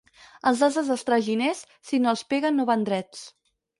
Els ases dels traginers, si no els peguen, no van drets.